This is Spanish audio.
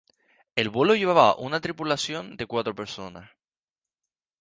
El vuelo llevaba una tripulación de cuatro personas.